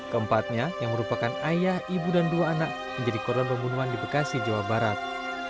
keempatnya yang merupakan ayah ibu dan dua anak menjadi korban pembunuhan di bekasi jawa barat